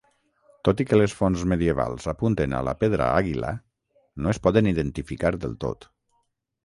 Tot i que les fonts medievals apunten a la pedra àguila, no es poden identificar del tot.